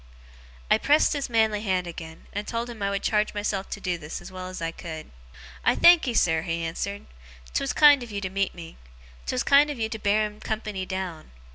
I pressed his manly hand again, and told him I would charge myself to do this as well as I could. 'I thankee, sir,' he answered. ''Twas kind of you to meet me. 'Twas kind of you to bear him company down.